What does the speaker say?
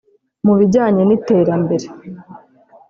mu bijyanye n’iterambere